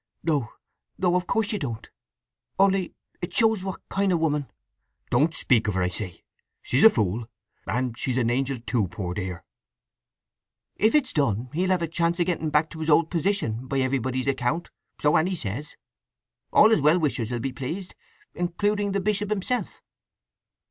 "No, no: of course you don't. Only it shows what kind of woman—" "Don't speak of her I say! She's a fool! And she's an angel, too, poor dear!" "If it's done, he'll have a chance of getting back to his old position, by everybody's account, so Anny says. All his well wishers will be pleased, including the bishop himself."